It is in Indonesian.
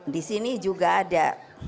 di sini juga ada